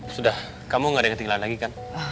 sudah kamu gak ada yang ketinggalan lagi kan